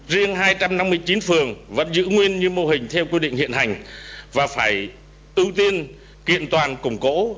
riêng hai trăm năm mươi chín phường vẫn giữ nguyên như mô hình theo quy định hiện hành và phải ưu tiên kiện toàn củng cố